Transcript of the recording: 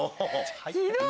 ひどい。